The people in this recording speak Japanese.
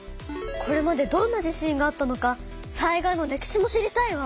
これまでどんな地震があったのか災害の歴史も知りたいわ！